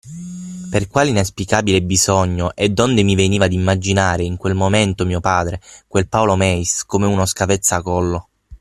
Per quale inesplicabile bisogno e donde mi veniva d'immaginare in quel momento mio padre, quel Paolo Meis, come uno scavezzacollo?